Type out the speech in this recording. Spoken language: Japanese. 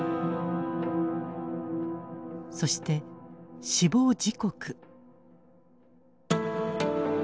そして死亡時刻。